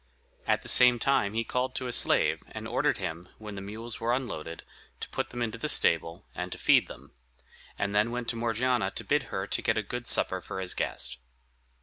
At the same time he called to a slave, and ordered him, when the mules were unloaded, to put them into the stable, and to feed them; and then went to Morgiana to bid her to get a good supper for his guest.